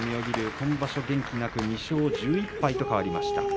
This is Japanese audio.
今場所、元気がなく２勝１１敗と変わりました。